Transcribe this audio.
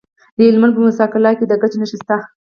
د هلمند په موسی قلعه کې د ګچ نښې شته.